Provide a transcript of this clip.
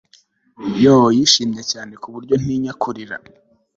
yoo! yishimye cyane, ku buryo ntinya kurira